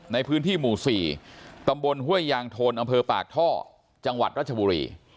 ในพื้นที่หมู่๔ตำบลห้วยยางโทนอำเภอปากท่อจังหวัดรัชบุรี